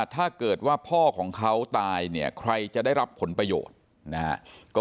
ถ้าเกิดว่าพ่อของเขาตายเนี่ยใครจะได้รับผลประโยชน์นะฮะ